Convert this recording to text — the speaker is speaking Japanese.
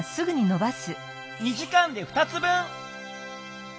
２時間で２つ分！